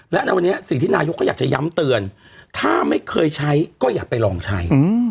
และในวันนี้สิ่งที่นายกก็อยากจะย้ำเตือนถ้าไม่เคยใช้ก็อยากไปลองใช้